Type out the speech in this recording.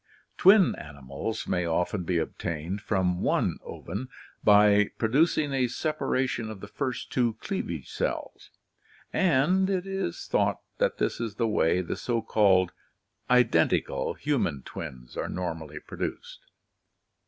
Twin animals may often be obtained from one ovum by producing a separation of the first two cleavage cells, and it is thought that this is the way the so called "identical" human twins are normally produced.